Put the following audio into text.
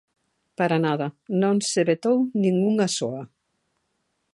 Para nada, non se vetou nin unha soa.